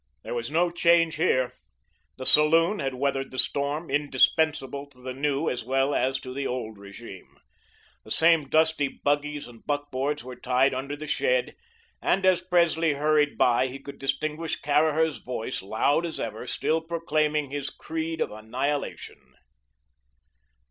There was no change here. The saloon had weathered the storm, indispensable to the new as well as to the old regime. The same dusty buggies and buckboards were tied under the shed, and as Presley hurried by he could distinguish Caraher's voice, loud as ever, still proclaiming his creed of annihilation.